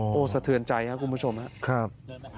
โอ้โหสะเทือนใจครับคุณผู้ชมครับ